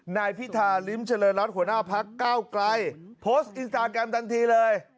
นายพิธาริมเจริญรัฐหัวหน้าพักเก้าไกลโพสต์อินสตาแกรมทันทีเลย